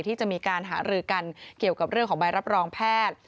ที่จะมีการหารือกันเกี่ยวกับเรื่องของใบรับรองแพทย์